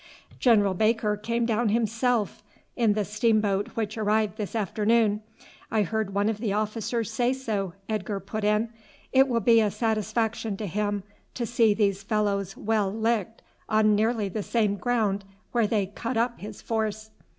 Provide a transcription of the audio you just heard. "General Baker came down himself in the steamboat which arrived this afternoon. I heard one of the officers say so," Edgar put in. "It will be a satisfaction to him to see these fellows well licked on nearly the same ground where they cut up his force."